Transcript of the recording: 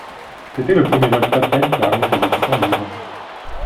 C'était le premier vol spatial qui ramenait ses occupants vivants.